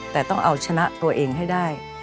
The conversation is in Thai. แต่ต้องเอาชนะตัวเองให้ได้